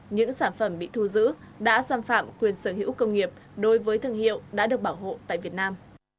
những sản phẩm bị thu giữ đã xâm phạm quyền sở hữu công nghiệp đối với thương hiệu đã được bảo hộ tại việt nam